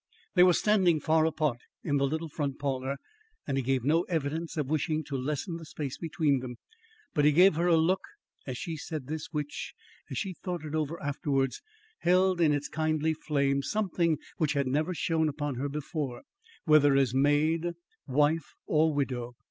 They were standing far apart in the little front parlour, and he gave no evidence of wishing to lessen the space between them, but he gave her a look as she said this, which, as she thought it over afterwards, held in its kindly flame something which had never shone upon her before, whether as maid, wife or widow.